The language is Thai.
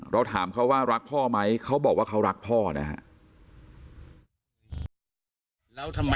ถามเขาว่ารักพ่อไหมเขาบอกว่าเขารักพ่อนะครับ